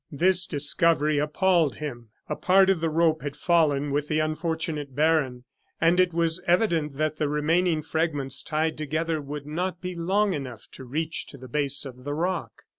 This discovery appalled him. A part of the rope had fallen with the unfortunate baron, and it was evident that the remaining fragments tied together would not be long enough to reach to the base of the rock.